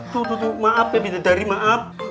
tuh tuh tuh maaf ya bim dari maaf